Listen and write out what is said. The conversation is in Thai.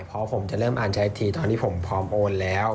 เพราะผมจะเริ่มอ่านใช้อีกทีตอนที่ผมพร้อมโอนแล้ว